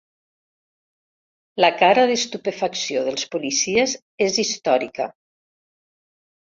La cara d'estupefacció dels policies és històrica.